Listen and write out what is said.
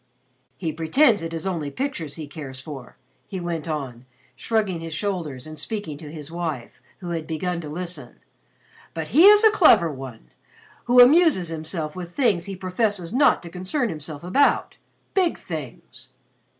"He pretends it is only pictures he cares for," he went on, shrugging his shoulders and speaking to his wife, who had begun to listen, "but he is a clever one, who amuses himself with things he professes not to concern himself about big things.